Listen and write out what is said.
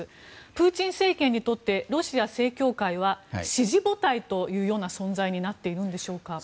プーチン政権にとってロシア正教会は支持母体というような存在になっているのでしょうか。